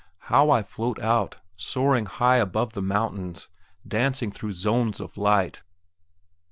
How I float out, soaring high above the mountains, dancing through zones of light!...